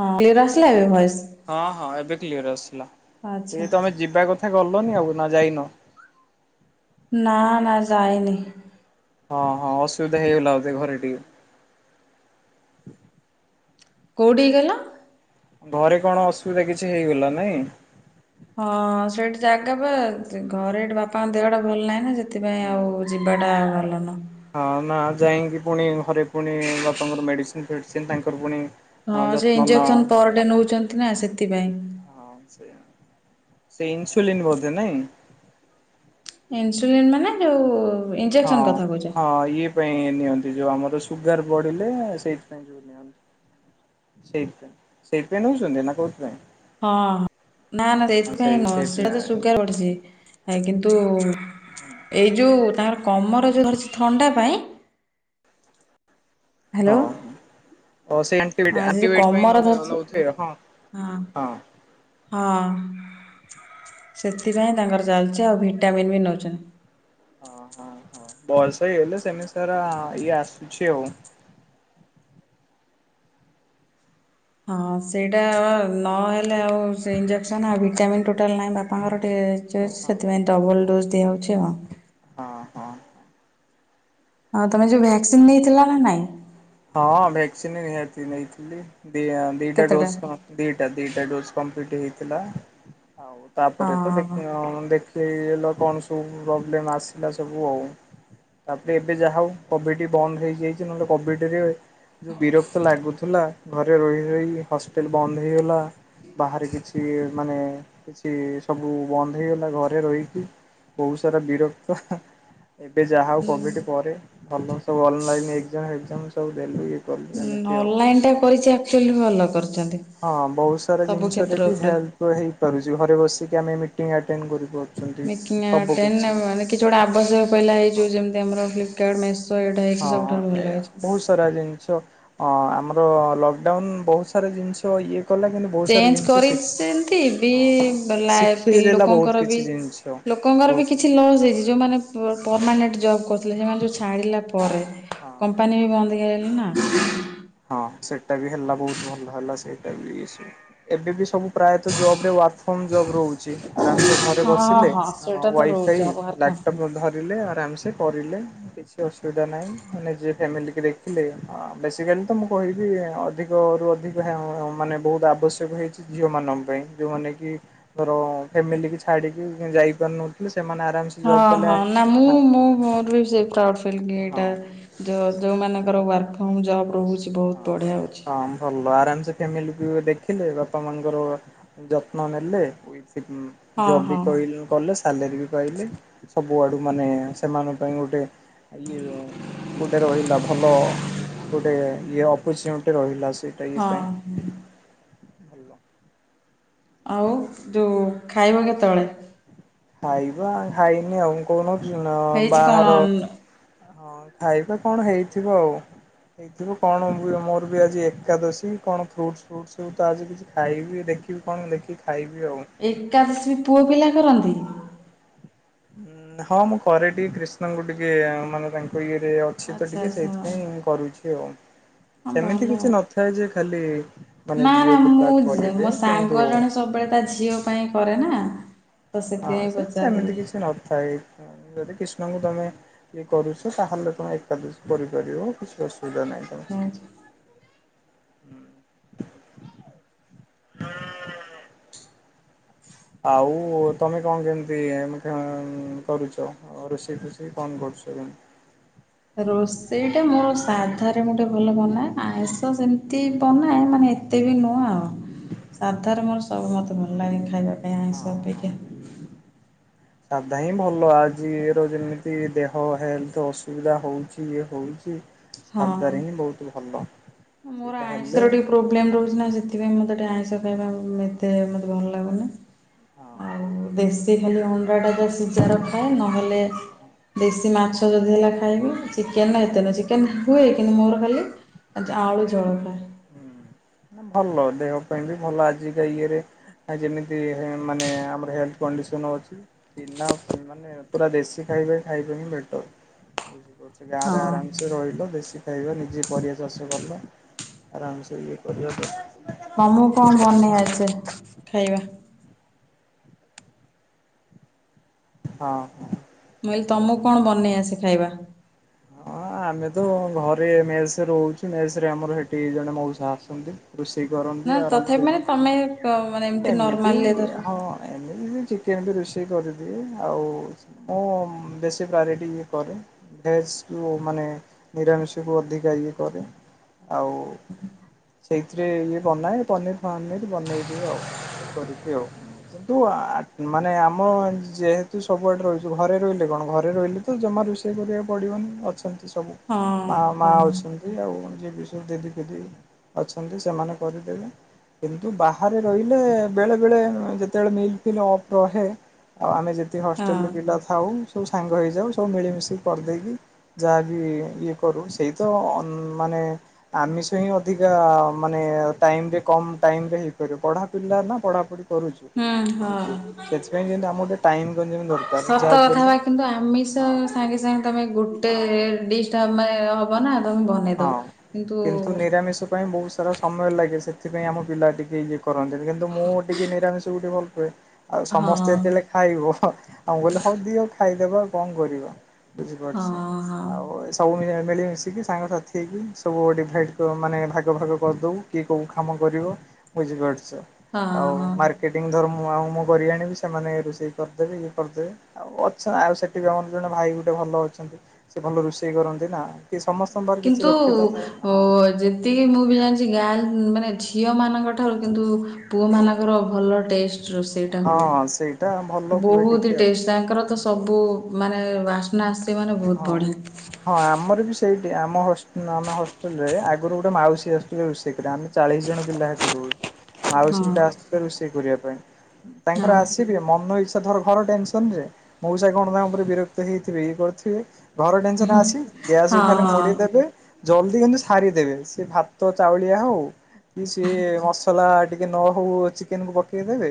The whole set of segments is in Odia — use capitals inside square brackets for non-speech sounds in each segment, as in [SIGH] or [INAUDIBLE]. ହଁ କ୍ଲିୟର ଆସିଲା ଏବେ ଭଏସ୍? ହଁ ହଁ ଏବେ କ୍ଲିୟର ଆସିଲା ଆଚ୍ଛା ଏ ତମେ ଯିବା କଥା ଗଲନି ଆଉ ନା ଯାଇନ? ନା ନା ଯାଏନି। ହଁ ହଁ ଅସୁବିଧା ହେଇଗଲା ବୋଧେ ଘରେ ଟିକେ? କୋଉଠିକି କହିଲ? ଘରେ କଣ ଅସୁବିଧା କିଛି ହେଇଗଲା ନାଇଁ? ହଁ ସେଇଠି ଜାଗା ବା ଘରେ ଏଠି ବାପାଙ୍କ ଦେହ ଟା ଭଲ ନାହିଁ ନା ସେଥିପାଇଁ ହୁଁ। ଆଉ ଯିବା ଟା ଭଲ ନୁହୁଁ। ହଁ ନା ଯାଇଁକି ପୁଣି ହରେ ପୁଣି ବାପାଙ୍କର ମେଡିସିନ୍ ଫେଡିସିନ୍ ତାଙ୍କର ପୁଣି ହଁ ସେ ଯତ୍ନ ନଅ ଇଞ୍ଜେକ୍ସନ ପର ଡ଼େ ନଉଚନ୍ତି ନା ସେଥିପାଇଁ। ହଁ ସେଇଆ ସେ ଇନ୍ସୁଲିନ ବୋଧେ ନାଇଁ? ଇନ୍ସୁଲିନ୍ ମାନେ ଯୋଉ ହଁ ଇଞ୍ଜେକ୍ସନ୍ କଥା କହୁଚ? ହଁ ଇଏ ପାଇଁ ନିଅନ୍ତି ଯୋଉ ଆମର ସୁଗାର ବଢ଼ିଲେ ସେଇଥିପାଇଁ ଯୋଉ ନିଅନ୍ ସେଇଥିପାଇଁ ସେଇଥିପାଇଁ ନଉଚନ୍ତି ନା କୋଉଥପାଇଁ? ହଁ ନା ନା ସେଇଥପାଇଁ ନୁହଁ ସେଇଥି ସେଟା ତ ସୁଗାର ବଢ଼ିଚି। ଏ କିନ୍ତୁ ଏଇ ଯୋଉ ତାଙ୍କର କମର ଯୋଉ ଧରିଚି ଥଣ୍ଡା ପାଇଁ ହଁ ହ୍ୟାଲୋ ହଁ। ଓ ସେ ଆଣ୍ଟିବେଟ ଆଜି ଯୋଉ ଆଣ୍ଟିବାଇଟ ପାଇଁ କମର ନଉ ଧରିଛି ନଉଥୁବେ ହଁ ହଁ। ହଁ ସେଥିପାଇଁ ତାଙ୍କର ଚାଲିଚି ଆଉ ଭିଟାମିନ୍ ବି ନଉଚନ୍ତି। ଅ ହଁ ହଁ ବୟସ ହେଇଗଲେ ସେମତି ସାରା ଇଏ ଆସୁଛି ଆଉ। ହଁ ସେଇଟା ଆ ଆ ନହେଲେ ଆଉ ସେ ଇଞ୍ଜେକ୍ସନ୍ ଆଉ ଭିଟାମିନ୍ ଟୋଟାଲ ନାହିଁ ବାପାଙ୍କର ଟିକେ ଚଏସ ହଁ ସେଥିପାଇଁ ଡବଲ ଡୋଜ୍ ଦିଆହଉଛି ଆଉ। ହଁ ହଁ। ହଁ ତମେ ଯୋଉ ଭ୍ୟାକ୍ସିନ ନେଇଥିଲ ନା ନାଇଁ? ହଁ ଭ୍ୟାକ୍ସିନ ନିହାତି ନେଇଥିଲି ଦି ଆଁ ଦିଟା କେତେଟା? ଡୋଜ କଁ ଦିଟା ଦିଟା ଡୋଜ କମ୍ପ୍ଲିଟି ହେଇଥିଲା ଆଉ ତାପରେ ତ ହଁ ଦେଖ ଅଁ ଅଁ ଦେଖ ତେ ଇଏଲ କଣ ସବୁ ପ୍ରୋବ୍ଲେମ ଆସିଲା ସବୁ ଆଉ। ତାପରେ ଏବେ ଯାହା ହଉ କୋଭିଡ଼ି ବନ୍ଦ ହେଇଯାଇଚି ନହେଲେ କୋଭିଡ଼ ସେତିକବଳେ ଯୋଉ ବିରକ୍ତ ଲାଗୁଥୁଲା ଘରେ ରହି ରହି ହଷ୍ଟେଲ ବନ୍ଦ ହେଇଗଲା। ବାହରେ କିଛି ମାନେ କିଛି ସବୁ ବନ୍ଦ ହେଇଗଲା ଘରେ ରହିକି ବହୁ ସାରା ବିରକ୍ତ ହାଁ ଏବେ ଯାହା ହଉ କୋଭିଡ଼ ପରେ ଭଲ ସବୁ ଅନଲାଇନ୍ ଏଗ୍ଜାମ ଫେକ୍ଜାମ ସବୁ ଦେଲି। ହିଁ ଅନଲାଇନ ଟା କରିଛି ଆକ୍ଚୁଆଲି ଭଲ କରଚନ୍ତି। ହଁ ବହୁତ ସାରା ଜିନଷରେ ବି ହେଲ୍ପ ହେଇପାରୁଚି ଘରେ ବସିକି ଆମେ ମିଟିଂ ଆଟେଣ୍ଡ କରି ପା ମିଟିଙ୍ଗ ଆଟେଣ୍ଡ ଆଉ ମାନେ କିଛି ଗୋଟେ ଆବଶ୍ୟକ ପଇଲା ହେଇ ହଁ। ଯୋଉ ଯେମତି ଆମର ଫ୍ଲିପକାର୍ଟ ମେସ୍ ହଁ ଏଇଆ ବହୁସ୍ ସାରା ଜିନଷ ଅଁ ଆମର ଲକଡ଼ାଉନ ବହୁତ ସାରା ଜିନଷ ଇଏ କଲା କିନ୍ତୁ ବହୁତ ସାରା ଚେଞ୍ଜ ଜିନିଷ ଶିଖ କରିସେନ୍ତି ବି ହଁ ଲାଇଫ କି ଶିଖେଇ ଦେଲା ବହୁତ ଲୋକଙ୍କର ବି କିଛି ଜିନିଷ ଲୋକଙ୍କର ବି ବହୁତ କିଛି ଲସ୍ ହେଇଚି ଯୋଉ ମାନେ ପର ପରମାନେଟ ଜବ୍ କରୁଥିଲେ ସେମାନେ ଯୋଉ ଛାଡ଼ିଲା ପରେ ହଁ। କମ୍ପାନୀ ବି ବନ୍ଦ ହେଇଗଲେ ନା? [INAUDIBLE] ହଁ ସେଟା ବି ହେଲା ବହୁତ ଭଲ ହେଲା ସେଟା ବି ସେ ଏବେ ବି ସବୁ ପ୍ରାୟତଃ ଜବରେ ୱାର୍କ ଫ୍ରୋମ ଜବ୍ ରହୁଚି ଆରାମସେ ଘରେ ହଁ ବସିଲେ ହଁ ଅଁ ସେଇଟା ତ ରହୁଛି ୱାଇଫାଇ ଆଉ ବାହାର କମ୍ପାନୀ ଲାଟପ୍ ଧର ରିଲେ ଆରାମସେ କରିଲେ କିଛି ଅସୁବିଧା ନାଇଁ ମାନେ ନିଜେ ଫ୍ୟାମିଲିକି ଦେଖିଲେ ଆ ବେସିକାଲି ତ ମୁଁ କହିବି ଅଧିକରୁୁ ଅଧିକ ହେ ଅଁ ମାନେ ବହୁତ ଆବଶ୍ୟକ ହେଇଚି ଝିଅମାନଙ୍କ ପାଇଁ ଯୋଉମାନେ କି ର ଫ୍ୟାମିଲି କି ଛାଡିକି ଯାଇପାରୁନଥିଲେ ସେମାନେ ଆରାମ ସେ ହଁ ହଁ ନା ମୁଁ ମୋ ମୋର ବି ସେ ପ୍ରାଉଡ ଫିଲ କି ଏଇଟା। ହଁ ଯଉ ଯଉମାନଙ୍କର ୱାର୍କ ଫ୍ରୋମ ଜବ୍ ରହୁଚି। ହଁ ହଁ ଭଲ ଆରାମସେ ଫ୍ୟାମିଲିକୁ ଦେଖିଲେ ବାପା ମାଙ୍କର। ଯତ୍ନ ନେଲେ ହଁ ହଁ [UNINTELLIGIBLE] କଲେ ସାଲେରୀ ବି ପାଇଲେ ସବୁ ଆଡୁ ମାନେ ସେମାନଙ୍କ ପାଇଁ ଗୋଟେ। ଇଏ ଗୋଟେ ରହିଲା ଭଲ ଗୋଟେ। ଇଏ ଅପର୍ଚୁନିଟି ଟେ ରହିଲା ସେ। ହଁ ହୁଁ। ଭଲ ଆଉ ଯୋଉ ଖାଇବ କେତବଳେ? ଖାଇବା ଖାଇନି ଆଉ ମୁଁ କହୁନଥିଲି ନା ହେଇଛି କଣ ବାହାର। ହଁ ଖାଇବା କଣ ହେଇଥିବ ଆଉ। ହେଇଥିବ କଣ ମୁଁବି ମୋର ବି ଆଜି ଏକାଦଶୀ କଣ ଫ୍ରୁଟସ ଫ୍ରୁଟସ ସବୁ ତ ଆଜି କିଛି ଖାଇବି। ଦେ କି କଣ ଦେଖିକି ଖାଇବି ଆଉ? ଏକାଦଶୀ ବି ପୁଅ ପିଲା କରନ୍ତି? ଉଁ ହଁ ମୁଁ କରେ ଟି କ୍ରୀଷ୍ଣଙ୍କୁ ଟିକେ ମାନେ ତାଙ୍କେ ଇଏରେ ଅଛି ତ ଆଚ୍ଛା ଟିକେ ଆଚ୍ଛା ସେଇଥିପାଇଁ କରୁଛି ଆଉ। ହଁ ସେମିତି ଭଲ କିଛି ଆଉ। ନଥାଏ ଯେ ଖାଲି ମାନେ ନା ନା ଝିଅପିଲା ମୁଁ କରିବେ। ମୋ କିନ୍ତୁ ସାଙ୍ଗ ଜଣେ ସବୁବେଳେ ତା ଝିଅ ପାଇଁ କରେନା ହଁ ତ ହଁ ସେଥିପାଇଁ ସେମିତି ପଚାରଦେଲି। କିଛି ସେ ନଥାଏ। ଉଁ ଯଦି କ୍ରିଷ୍ଣଙ୍କୁ ତମେ। ଇଏ କରୁଛ ତାହେଲେ ତମେ ଏକାଦଶୀ କରିପାରିବ କିଛି ଅସୁବିଧା ନାଇଁ। [UNINTELLIGIBLE] ଆଉ ତମେ କଣ କେମତି [UNINTELLIGIBLE] କରୁଛ? ଅ ରୋଷେଇ ଫୋଷେଇ କଣ କରୁଛ? [UNINTELLIGIBLE] ରୋଷେଇଟା ମୋର ସାଧାରେ ମୁଁ ଟିକେ ଭଲ ବନାଏ ଆଇଁଷ ସେମତି ବନାଏ ମାନେ ଏ ତେ ବି ନୁହଁ ଆଉ ସାଧାରେ ମୋର ସବୁ ମତେ ଭଲ ଲାଗେ ଖାଇବାକୁ। ହଁ ହଁ। [INAUDIBLE] ସାଧା ହିଁ ଭଲ ଆଜିର ଯେମିତି ଦେହ ହେଲଥ ଅସୁବିଧା ହଉଚି ଇଏ ହଉଚି। ହଁ। ସାଧାରେ ହିଁ ବହୁତ ଭଲ। ମୋର ସେଇଟା ହେଲେ ଆଇଁଷରେ ଟିକେ ପ୍ରୋବ୍ଲେମ ରହୁଚି ନା ସେଥିପାଇଁ ମତେଟେ ଆଇଁସ ଖାଇବା ଉଁ ଏତେ ମତେ ଭଲ ଲାଗୁନି। ହଁ ଆଉ ଦେଶୀ ଖାଲି ଅଣ୍ଡାଟା ଯା ସିଝାର ରଖାଏ ନହେଲେ। ଦେଶୀ ମାଛ ଯଦି ହେଲା ଖାଇବି ଚିକେନରା ହୁଁ ଏତେ ନୁହେଁ ଚିକେନ ହା ହୁଏ କିନ୍ତୁ ମୋର ଖାଲି। ଆଜି ଆଳୁ ଝୋଳଟା। ହୁଁ ଭଲ ଦେହ ପାଇଁ ବି ଭଲ ଆଜିକା ଇଏରେ ଆ ଯେମିତି ମାନେ ଆମର ହେଲ୍‌ଥ କଣ୍ଡିସନ ଅଛି। ଇନାପ ମାନେ ପୁରା ଦେଶୀ ଖାଇବେ ଖାଇବେ ହିଁ ବେଟର। ବୁଝି ପାରୁଛ ଗାଁ ରେ ଆରାମ ହଁ ସେ ରହିଲ ଦେଶୀ ଖାଇବ ନିଜେ ପରିବା ଚାଷ କଲ। ଆରାମ ସେ ଇଏ କରିବା [UNINTELLIGIBLE] ତମକୁ କଣ ବନେଇ ଆସେ ଖାଇବା? ହଁ ହଁ। ମୁଁ କହିଲି ତମକୁ କଣ ବନେଇ ଆସେ ଖାଇବା? ହଁ ଆମେ ତ ଘରେ ମେସ ରହୁଛୁ ମେସରେ ଆମର ଏଠି ଜଣେ ମଉସା ଆସନ୍ତି। ରୋଷେଇ ନା କରନ୍ତି ଆରାମ ତଥାପି ସେ ମାନେ ତମେ ମାନେ ଏମିତି ନର୍ମାଲରେ ଧର ହଁ। ଏମିତି ବି ଚିକେନ ବି ରୋଷେଇ କରିଦିଏ। ଆଉ ମୁଁ ବେଶୀ ପ୍ରାୟୋରିଟି ବି କରେ। ମେସକୁ ମାନେ ନିରାମିଷକୁ ଅଧିକା ଇଏ କରେ। ଆଉ ସେଇଥିରେ ଇଏ ବନାଏ ପନିର ଫନିର୍ ବନେଇଦିଏ ଆଉ। ଇଏ କରିକି ଆଉ କିନ୍ତୁ ଆ ମାନେ ଆମ ଯେହେତୁ ସବୁଆଡେ ରହିଛୁ ଘରେ ରହିଲେ କଣ ଘରେ ରହିଲେ ଜମା ରୋଷେଇ କରିବାକୁ ପଡିବନି ଅଛନ୍ତି। ସବୁ ହଁ ମା ମା ହଉ ଅଛନ୍ତି ଏମିତି ଆଉ ଯିଏ ବିଶୁ ଦିଦି ପିଦି ଅଛନ୍ତି ସେମାନେ କରିଦେବେ। କିନ୍ତୁ ବାହାରେ ରହିଲେ ବେଳେବେଳେ ଯେତେବେଳେ ମିଲ୍ ଫିଲ୍ ଅଫ୍ ରହେ। ଆଉ ଆମେ ଯେତିକି ହଁ ହଷ୍ଟେଲରେ ପିଲା ଥାଉ ସବୁ ସାଙ୍ଗ ହେଇଯାଉ ସବୁ ମିଳିମିଶିକି କରିଦେଇକି। ଯାହା ବିି ଇଏ କରୁ ସେଇ ତ ଅନ ମାନେ ଆମିଷ ହିଁ ଅଧିକା ମାନେ ଟାଇମରେ କମ ଟାଇମରେ ହେଇପାରିବ। ପଢା ପିଲା ନା ପଢାପଢି କରୁଛୁ ହୁଁ ଯେହେତୁ ହଁ। ସେଥିପାଇଁ ଯେମିତି ଆମର ଗୋଟେ ଟାଇମ ଯେମିତି ଦରକାର ସତ ଯାହା ବି କଥା ହେଲେ। ବା କିନ୍ତୁ ଆମିଷ ହଁ ସାଙ୍ଗେ ସାଙ୍ଗେ ତମେ ଗୋଟେ ଡିସ୍ଟା ହଁ ଆମେ ହ ବ ନା ତମେ ବନେଇ ଦବ, କିନ୍ତୁ ଆମିଷ ପାଇଁ ବହୁତ ସାରା ସମୟ ଲାଗେ ସେଥିପାଇଁ ଆମ ପିଲା ଟିକେ ଇଏ କରନ୍ତିନି, କିନ୍ତୁ ମୁଁ ଟିକେ ନିରାମିଷ କୁ ଟିକେ ଭଲ ପାଏ। ଆଉ ହଁ ସମସ୍ତେ ଯେତେବେଳେ ଖାଇବ ଆଉ କହିଲେ ହଉ ଦିଅ ହଉ ଖାଇଦବା ଆଉ କଣ କରିବା। ବୁଝିପାରୁଛ। ହଁ ହଁ ଆଉ ସବୁ ମିଳି ମିଶିକି ସାଙ୍ଗସାଥି ହେଇକି ସବୁ ଡିଭାଇଟ୍ ମାନେ ଭାଗ ଭାଗ କରିଦଉ। କିଏ କୋଉ କାମ କରିବ ବୁଝିପାରୁଛ। ହଁ ଆଉ ହଁ। ମାର ର୍କେଟିଙ୍ଗ ଧର ମୁଁ ଆଉ ମୁଁ କରିଆଣିବି ସେମାନେ ରୋଷେଇ କରିଦେବେ ଇଏ କରିଦେବେ। ଆଉ ଅଛ ନ ଆଉ ସେଠି ବି ଆମର ଜଣେ ଭାଇ ଗୋଟେ ଭଲ ଅଛନ୍ତି। ସେ ଭଲ ରୋଷେଇ କରନ୍ତି ନା କି। ସମସ୍ତଙ୍କର କିଛି କିନ୍ତୁ ଦକ୍ଷତା ଥାଏ ନା ଅ ହଁ। ଯେ ତିକି ମୁଁ ବି ଜାଣିଛି ଗାଁ ମାନେ ଝିଅମାନଙ୍କ ଠାରୁ କିନ୍ତୁ ପୁଅମାନଙ୍କର ଭଲ ଟେଷ୍ଟ। ରୋଷେଇଟା ହୁଏ। ହଁ ସେଇଟା ଭଲ ହୁଏ ବହୁତ ଟିକେ ଟେଷ୍ଟ ତାଙ୍କର ତ ଆଉ। ସବୁ ମାନେ ବାସ୍ନା ଆସୁଛି ମାନେ ବହୁତ ହଁ। ବଢ଼ିଆ। ହଁ ଆମର ବି ସେଇଠି ଆମ ହଷ୍ଟ ହଷ୍ଟେଲରେ ଆଗରୁ ଗୋଟେ ମାଉସୀ ଆସୁଥିଲେ ରୋଷେଇ କରିବା ଆମେ ଚାଳିଶ ଜଣ ପିଲା ସେଠି ରହୁଛୁ। ମାଉସୀ ହଁ ଗୋଟେ ଆସିବେ ରୋଷେଇ କରିବା ପାଇଁ, ହଁ ତାଙ୍କର ଆସିବେ ମନ ଇଚ୍ଛା ଧର ଘର ଟେନସନରେ ମଉସା କଣ ତାଙ୍କ ଉପରେ ବିରକ୍ତ ହେଇଥିବ ଇଏ କରିଥିବ ବେ ଘର ଟେନସନ ଆସି ହଁ ଗ୍ୟାସକୁ ଖାଲି ମୁଡି ଦେବେ। ଜଲ୍ଦି କିନ୍ତୁ ସାରିଦେବେ, ସେ ଭାତ ଚାଉଳିଆ ହଉ। କି ସିଏ ମସଲା ଟିକେ ନ ହଉ ଚିକେନକୁୁ ପକେଇ ଦେବେ।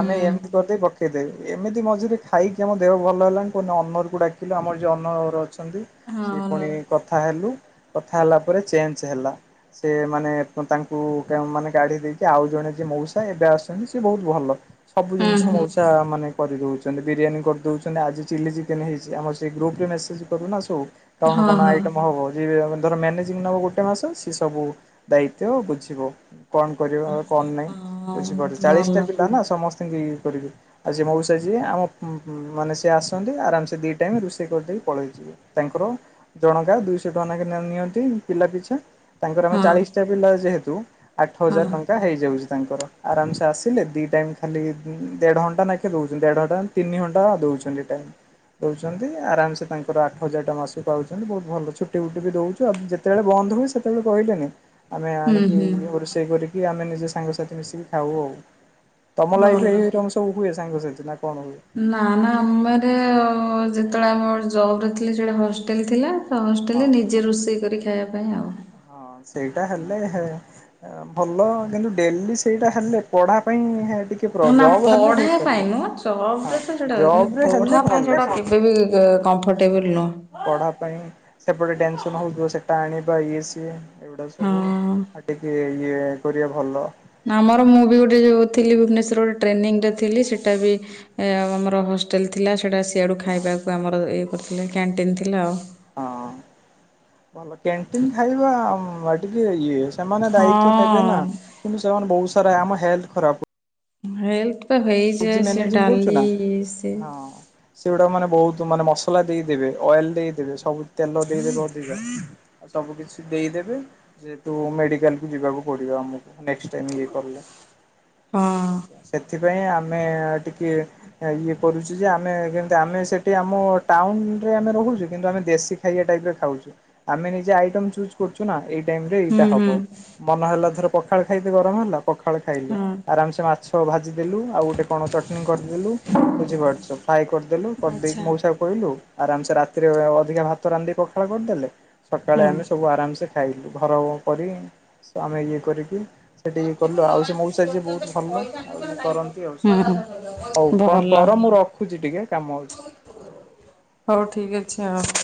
ହଁ ହୁଁ। ଏମିତି କରିଦେଇ ପକେଇଦେବେ ଏମିତି ମଝିରେ ଖାଇକି ଆମ ଦେହ ଭଲ ହେଲାଣି ପୁଣି ଅନର ଡାକି ଲୁ ଆମର ଯୋଉ ଅନର ଅଛନ୍ତି। ସିଏ ହଁ ନ ପୁଣି କଥା ହେଲୁ କଥା ହେଲା ପରେ ଚେଞ୍ଜ ହେଲା। ସେ ମାନେ ତାଙ୍କୁ ମାନେ କାଢି ଦେଇକି ଆଉ ଜଣେ ଯିଏ ମଉସା ଏବେ ଆସୁଛନ୍ତି ସିଏ ବହୁତ ଭଲ। ସବୁ ହୁଁ ଜିନିଷ ହୁଁ ମଉସା ମାନେ କରିଦଉଛନ୍ତି। ବିରିୟାନୀ କରିଦଉଛନ୍ତି ଆଜି ଚିଲି ଚିକେନ୍ ହେଇ ଛି ଆମର ସେ ଗ୍ରୁପରେ ମେସେଜ କରୁନା ସବୁ କଣ ହଁ କଣ ହଁ। ଆଇଟମ ହବ। ଯିଏ ଧର ମ୍ୟାନେଜିଂ ନବ ଗୋଟେ ମାସ ସିଏ ସବୁ ଦାୟିତ୍ଵ ବୁଝିବ। କଣ କରିବ କଣ ନାହିଁ? ହଁ ବୁଝିପାରୁଛ ଚାଳିଶ ଭଲ ଟା ପିଲା ନା ସମସ ସ୍ତେ ଇଏ କରିବେ ଆଉ ଯିଏ ମଉସା ଯିଏ ଆମ ମ ମାନେ ସିଏ ଆସନ୍ତି ଆରାମ ସେ ଦି ଟାଇମ ରୋଷେଇ କରିଦେଇ ପଳେଇଯିବେ। ତାଙ୍କର ଜଣକା ଦୁଇଶହଟଙ୍କା ନିଅନ୍ତି ପିଲାପିଛା। ତାଙ୍କର ଆମେ ହଁ ଚାଳିଶଟା ପିଲା ଯେହେତୁ ହଁ ଆଠହଜାରଟଙ୍କା ହେଇଯାଉଛି। ତାଙ୍କର ଆରାମସେ ଆସିଲେ ଦି ଟାଇମ ଖାଲି ଦେଢ଼ଘଣ୍ଟା ନାଖେ ଦଉଚନ୍ତି ଦେଢଘଣ୍ଟା ତିନିଘଣ୍ଟା ଦଉଚନ୍ତି ଟାଇମ ଦଉଛନ୍ତି ଆରାମସେ ତାଙ୍କର ଆଠହଜାର ଟଙ୍କା ମାସକୁ ପାଉଛନ୍ତି ବହୁତ ଭଲ ଛୁଟି ଫୁଟି ବି ଦଉଚୁ ଆ ଯେତେ ଯେତେବେଳେ ବନ୍ଦ ହୁଏ ସେତେବେଳେ କହିଲେନି ଆମେ ହୁଁ ଆଣିକି ହୁଁ ରୋଷେଇ କରିକି ଆମେ ନିଜ ସାଙ୍ଗସାଥି ମିଶିକି ଖାଉ ଆଉ ତମ ଲାଇଫ୍ ଭଲ। ଏଇ ରଙ୍ଗ ସବୁ ହୁଏ ସାଙ୍ଗସାଥି ନା କଣ ହୁଏ ନା ନା ଆମେର ଯେତେବେଳେ ଆମ ଜବରେ ଥିଲା ସେଇଟା ହଷ୍ଟେଲ ଥିଲା ତ ହଁ ହଷ୍ଟେଲ ନିଜେ ରୋଷେଇ କରି ଖାଇବା ପାଇଁ ଆଉ ହଁ ସେଇଟା ହେଲେ ହେ ହଁ ଭଲ କିନ୍ତୁ ଡେଲି ସେଇଟା ହେଲେ ପଢ଼ାପାଇଁ ଟିକେ ନା ଜବ୍ ହେଲେ ପଢା ହେଇପାରିବ। ପାଇଁ ନୁହଁ ହଁ ସେଟା କିନ୍ତୁ ଜବରେ ହେଲେ ପଢା ପାଇଁ ଭଲ ସେଇଟି କେବେ ବି କମ୍ଫଟେବୁଲ୍ ନୁହଁ ପଢାପାଇଁ ସେପଟେ ଟେନସନ୍ ହଉଥିବ ସେଇଟା ଆଣିବା ଇଏ ସିଏ ଏଗୁଡ଼ା ସବୁ ହଁ। ଆ ଟିକିଏ ଇଏ କରିବା ଭଲ ଆମର ମୁଁ ବି ଗୋଟେ ଯୋଉଥିଲି ଭୁବନେଶ୍ଵର ଗୋଟେ ଟ୍ରେନିଂରେ ଥିଲି ସେଇଟା ବି ଏ ଆମର ହଷ୍ଟେଲ ଥିଲା ସେଇଟା ସିଆଡୁ ଖାଇବାକୁ ଆମର ଇଏ କରିଥିଲେ କ୍ୟାଣ୍ଟିନ ଥିଲା ଆଉ ହଁ ଭଲ କ୍ୟାଣ୍ଟିନ୍ ଖାଇବା ଟିକେ ଇଏ ସେମାନେ ଦାୟିତ୍ୱ ନେବେ ନା ହଁ କିନ୍ତୁ ସେମାନେ ବହୁସାରା ଆମ ହେଲଥେ ଖରାପ ହେଲର୍ଥ ନିଜେ ହେଇଯାଏ ସେ ମ୍ୟାନେଜିଂ କରୁଛୁ ଡାଲି ନା ସେ ହଁ ସେଗୁଡା ମାନେ ବହୁତ ମାନେ ମସଲା ଦେଇଦେବେ ଅଏଲ ଦେଇଦେବେ ସବୁ ତେଲ ଦେଇଦେବେ ଅଧିକା ସବୁ କିଛି ଦେଇଦେବେ ଯେହେତୁ ମେଡିକାଲକୁ ଯିବାକୁ ପଡିବ ଆମକୁ ନେକ୍ସଟାଇମ୍ ଇଏ କଲେ ହଁ ବୁଝି ପାରୁଛ ସେଥିପାଇଁ ଆମେ ଟିକେ ଇଏ କରୁଚୁ ଯେ ଆମେ କେମିତି ଆମେ ସେଠି ଆମ ଟାଉନରେ ଆମେ ରହୁଛୁ କିନ୍ତୁ ଆମେ ଦେଶୀ ଖାଇଆ ଟାଇପର ଖାଉଚୁ ଆମେ ନିଜେ ଆଇଟମ୍ ଚୁଜ୍ କରୁଚୁ ନା ଏଇ ଟାଇମରେ ଏଇଟା ହୁଁ ହୁଁ। ହବ ମନ ହେଲା ଧର ପଖାଳ ଖାଇତେ ଗରମ ହେଲା ପଖାଳ ଖାଇଲୁ ହଁ। ଆରାମସେ ମାଛ ଭାଜିଦେଲୁ ଆଉ କଣ ଚଟଣି କରିଦେଲୁ ବୁଝିପାରୁଛ ଫ୍ରାଏ କରିଦେଲୁ ଆଚ୍ଛା। କରିଦେଇକି ମଉସା କହିଲୁ ଆରାମସେ ରାତିରେ ଅଧିକା ଭାତ ରାନ୍ଧିକି ପଖାଳ କରିଦେଲେ ସକାଳେ ହୁଁ ଆମେ ସବୁ ଆରାମସେ ଖାଇଲୁ ଘର କରି ଆମେ ଇଏ କରିକି ସେଇଠି ଇଏ କଲୁ ଆଉ ସେ ମଉସା ଯିଏ ବହୁତ ଭଲ ଆଉ ଇଏ କରନ୍ତି ଆଉ ସେ ହୁଁ ହଉ କଣ ଭଲ କର ମୁଁ ରଖୁଛି ଟିକେ କାମ ଅଛି। ହଉ ଠିକ୍ ଅଛି ଆଉ